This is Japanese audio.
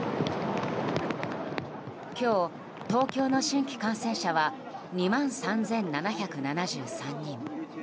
今日、東京の新規感染者は２万３７７３人。